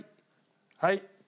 はい。